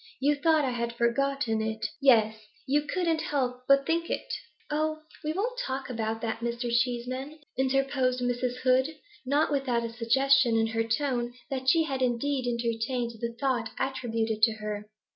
You thought I had forgotten it yes, you couldn't help but think it ' 'Oh, we won't talk about that, Mr. Cheeseman,' interposed Mrs. Hood, not without a suggestion in her tone that she had indeed entertained the thought attributed to her.